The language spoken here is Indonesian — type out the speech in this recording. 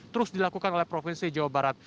terus dilakukan oleh provinsi jawa barat